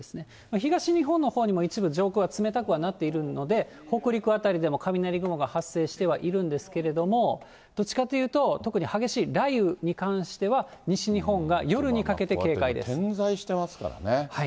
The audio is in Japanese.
東日本のほうにも一部、上空が冷たくなっているので、北陸辺りでも雷雲が発生してはいるんですけれども、どっちかというと、特に激しい雷雨に関しては、点在してますからね。